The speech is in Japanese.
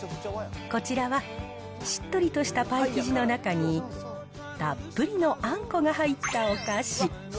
こちらはしっとりとしたパイ生地の中に、たっぷりのあんこが入ったお菓子。